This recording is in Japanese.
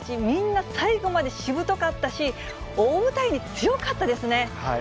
みんな最後までしぶとかったし、大舞台に強かったですね。